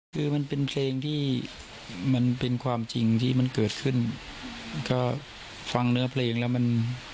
คือมันเป็นเพลงที่มันเป็นความจริงที่มันเกิดขึ้นก็ฟังเนื้อเพลงแล้วมัน